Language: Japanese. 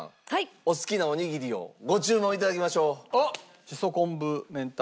お好きなおにぎりをご注文頂きましょう。